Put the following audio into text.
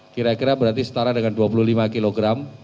kira kira berarti setara dengan dua puluh lima kg